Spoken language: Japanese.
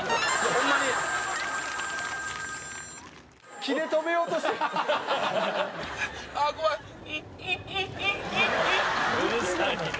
「ホンマうるさいな」